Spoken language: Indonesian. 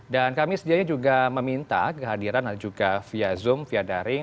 dan kami sedianya juga meminta kehadiran juga via zoom via daring